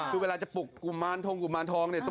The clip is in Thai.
คือเวลาจะปลุกกุมารทงกุมารทองเนี่ย